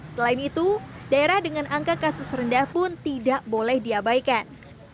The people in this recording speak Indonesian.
selain itu daerah dengan angka kasus rendah pun tidak boleh diabaikan